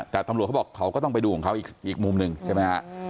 แต่ตำรวจเขาบอกเขาก็ต้องไปดูของเขาอีกมุมหนึ่งใช่ไหมฮะ